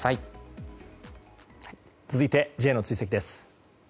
続いてＪの追跡です。